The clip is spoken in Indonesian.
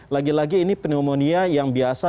lagi lagi ini pneumonia yang biasa